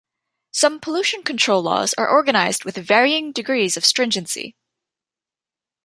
Some pollution control laws are organized with varying degrees of stringency.